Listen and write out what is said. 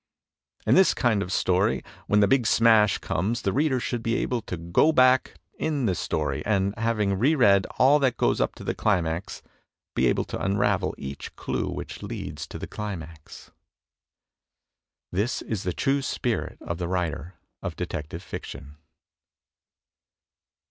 " In this kind of story when the big smash comes the reader should be able to go back in the story, and having reread all that goes up to the climax be able to unravel each clue which leads to the climax." This is the true spirit of the writer of detective fiction.